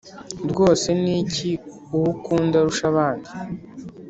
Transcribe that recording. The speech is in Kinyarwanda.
Rwose ni iki uwo ukunda arusha abandi,